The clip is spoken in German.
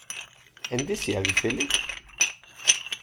Ein Dessert gefällig?